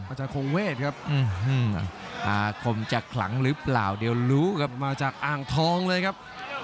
อาจารย์คงเวทครับอาคมจะขลังหรือเปล่าเดี๋ยวรู้ครับมาจากอ่างทองเลยครับ